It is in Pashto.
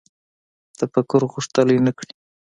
تفکر غښتلی نه کړي